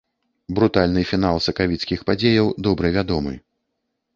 Брутальны фінал сакавіцкіх падзеяў добра вядомы.